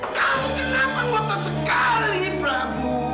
kamu kenapa ngotot sekali prabowo